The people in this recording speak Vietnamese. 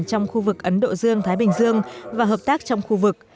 trong khu vực ấn độ dương thái bình dương và hợp tác trong khu vực